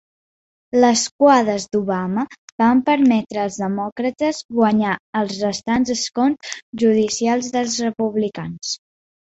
Les cuades d'Obama van permetre als demòcrates guanyar els restants escons judicials dels republicans.